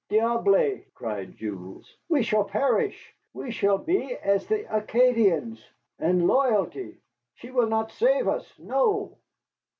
"Diable!" cried Jules, "we shall perish. We shall be as the Acadians. And loyalty she will not save us, no."